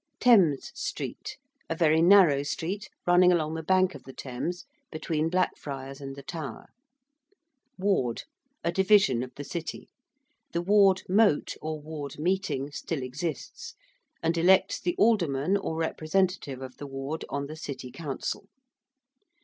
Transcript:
~Thames Street~: a very narrow street running along the bank of the Thames between Blackfriars and the Tower. ~ward~: a division of the City. The ~ward mote~ or ward meeting still exists, and elects the alderman or representative of the ward on the City Council.